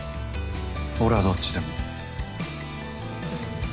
俺はどっちでも。